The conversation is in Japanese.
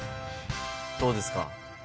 どうですか？